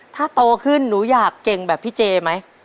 ถ้าโตขึ้นหนูอยากเก่งแบบพี่เจไหม